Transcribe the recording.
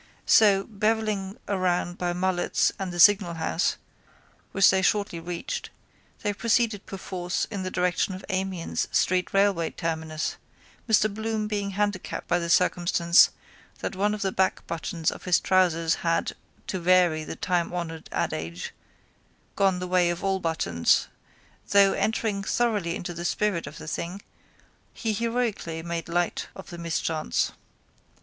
So, bevelling around by Mullett's and the Signal House which they shortly reached, they proceeded perforce in the direction of Amiens street railway terminus, Mr Bloom being handicapped by the circumstance that one of the back buttons of his trousers had, to vary the timehonoured adage, gone the way of all buttons though, entering thoroughly into the spirit of the thing, he heroically made light of the mischance.